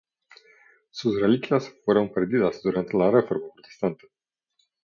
Sus reliquias fueron perdidas durante la reforma protestante.